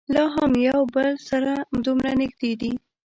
لا هم یو بل سره دومره نږدې دي.